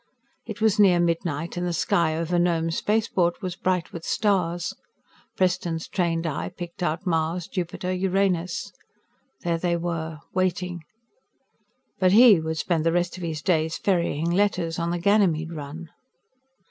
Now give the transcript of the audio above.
It was near midnight, and the sky over Nome Spaceport was bright with stars. Preston's trained eye picked out Mars, Jupiter, Uranus. There they were waiting. But he would spend the rest of his days ferrying letters on the Ganymede run.